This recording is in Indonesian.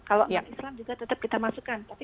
kalau agama islam juga tetap kita masukkan ke agama islam